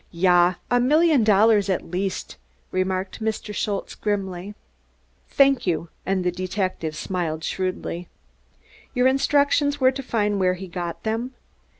"Yah, a million dollars ad leasd," remarked Mr. Schultze grimly. "Thank you," and the detective smiled shrewdly. "Your instructions were to find where he got them.